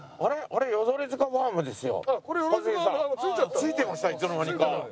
着いてましたいつの間にか。